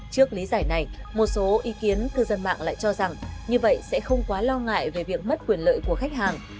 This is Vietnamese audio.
trước lý giải này một số ý kiến cư dân mạng lại cho rằng như vậy sẽ không quá lo ngại về việc mất quyền lợi của khách hàng